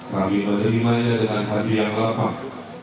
kami menerimanya dengan hati yang lapang